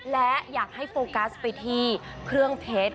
และอยากให้โฟกัสไปที่เครื่องเพชร